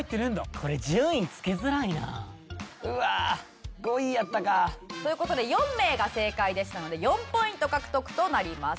これ順位つけづらいな。という事で４名が正解でしたので４ポイント獲得となります。